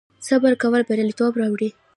صبر کول بریالیتوب راوړي